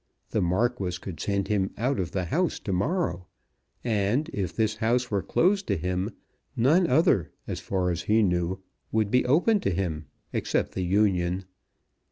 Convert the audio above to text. The Marquis could send him out of the house to morrow, and if this house were closed to him, none other, as far as he knew, would be open to him except the Union.